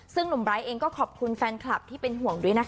ซึ่งหนุ่มไบร์ทเองก็ขอบคุณแฟนคลับที่เป็นห่วงด้วยนะคะ